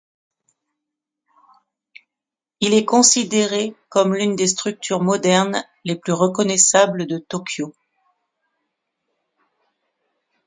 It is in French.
Il est considéré comme l'une des structures modernes les plus reconnaissables de Tokyo.